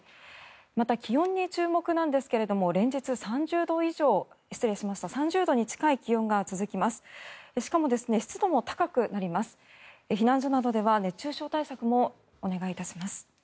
また、気温に注目なんですが連日３０度に近い気温が続きます。